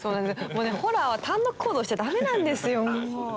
もうねホラーは単独行動しちゃ駄目なんですよ。